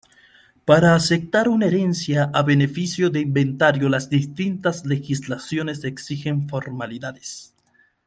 Para aceptar una herencia a beneficio de inventario las distintas legislaciones exigen formalidades.